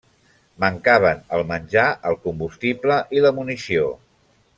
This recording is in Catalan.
Mancaven el menjar, el combustible i la munició.